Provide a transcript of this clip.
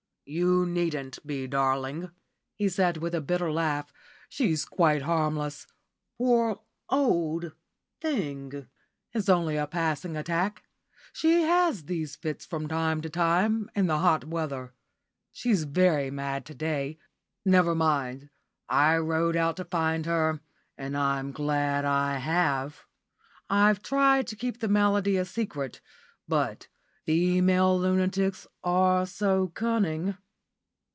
"You needn't be, darling," he said, with a bitter laugh; "she's quite harmless, poor old thing. It's only a passing attack. She has these fits from time to time in the hot weather. She's very mad to day. Never mind; I rode out to find her, and I'm glad I have. I've tried to keep the malady a secret, but female lunatics are so cunning."